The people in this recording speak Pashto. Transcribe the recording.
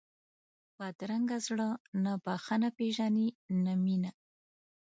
بدرنګه زړه نه بښنه پېژني نه مینه